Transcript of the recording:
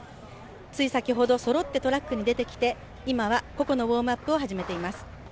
つい先ほど、そろってトラックに出てきて、今は個々のウオームアップを始めています。